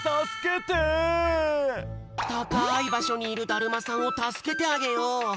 たかいばしょにいるだるまさんをたすけてあげよう！